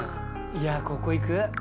いやここ行く？